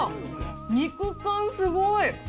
肉感すごい！